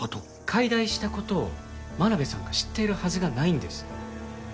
改題した事を真鍋さんが知っているはずがないんです。